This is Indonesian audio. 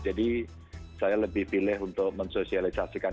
jadi saya lebih pilih untuk mensosialisasikan